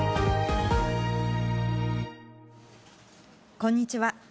こんにちは。